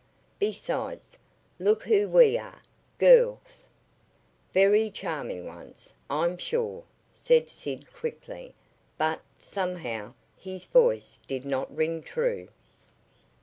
Besides, look who we are girls." "Very charming ones, I'm sure," said Sid quickly, but, somehow, his voice did not ring true.